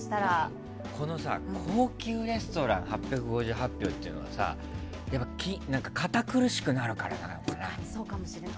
この、高級レストラン８５８票っていうのは堅苦しくなるから、いやなのかな。